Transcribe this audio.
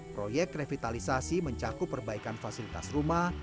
proyek revitalisasi mencakup perbaikan fasilitas rumah